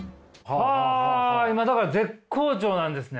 今だから絶好調なんですね。